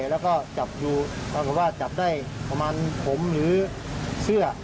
แล้วก็จับอยู่ปรากฏว่าจับได้ประมาณผมหรือเสื้อ